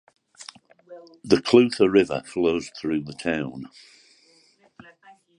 The Clutha River flows through the town.